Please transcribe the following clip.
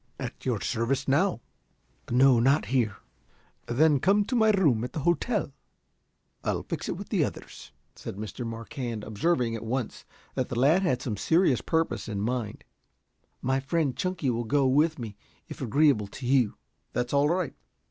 "At your service now, sir." "No; not here." "Then come to my room at the hotel. I'll fix it with the others," said Mr. Marquand, observing at once that the lad had some serious purpose in mind. "My friend Chunky will go with me, if agreeable to you?" "That's all right.